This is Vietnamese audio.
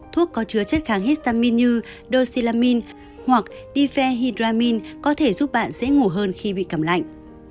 thuốc có chứa chất kháng histamin như doxylamine hoặc difehydramine có thể giúp bạn dễ ngủ hơn khi bị cảm lạnh